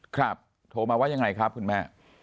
โทรมาว่ายังไงครับคุณแม่